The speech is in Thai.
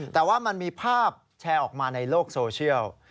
แต่ว่ามันมีภาพแชร์ออกมาในโลกโซเชียล